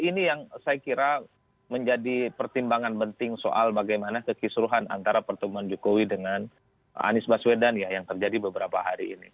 ini yang saya kira menjadi pertimbangan penting soal bagaimana kekisruhan antara pertemuan jokowi dengan anies baswedan ya yang terjadi beberapa hari ini